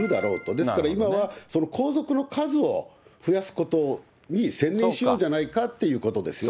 ですから、今はその皇族の数を増やすことに専念しようじゃないかということですよね。